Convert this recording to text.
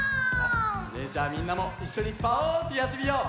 それじゃあみんなもいっしょにパオーンってやってみよう。